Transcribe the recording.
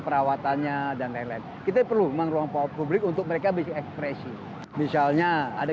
perawatannya dan lele kita perlu memang ruang publik untuk mereka bisa ekspresi misalnya ada